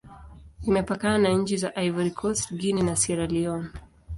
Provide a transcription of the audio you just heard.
Imepakana na nchi za Ivory Coast, Guinea, na Sierra Leone.